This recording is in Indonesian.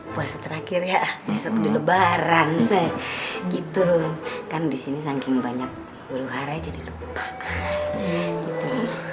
puasa terakhir ya besok di lebaran begitu kan disini saking banyak huru harai jadi lupa gitu